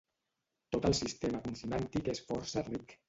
Tot el sistema consonàntic és força ric.